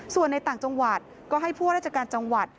ส่วนในต่างจังหวัดก็ให้ผู้ว่าราชการจังหวัด